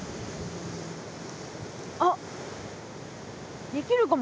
あっできるかも。